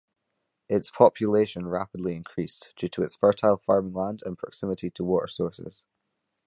Its population rapidly increased due its fertile farming land and proximity to water sources.